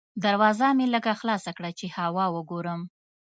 دروازه مې لږه خلاصه کړه چې هوا وګورم.